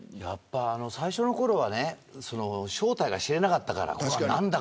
最初のころは正体が知れなかったから。